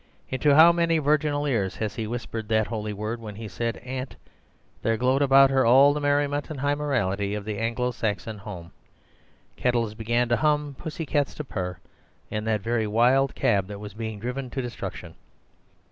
Into how many virginal ears has he whispered that holy word? When he said 'aunt' there glowed about her all the merriment and high morality of the Anglo Saxon home. Kettles began to hum, pussy cats to purr, in that very wild cab that was being driven to destruction."